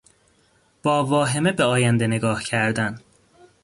با واهمه به آینده نگاه کردن